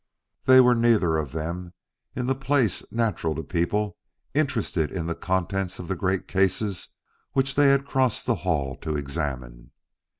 They were neither of them in the place natural to people interested in the contents of the great cases which they had crossed the hall to examine.